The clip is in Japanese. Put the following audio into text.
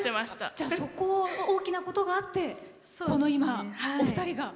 じゃあ、そこの大きなことがあって今お二人が。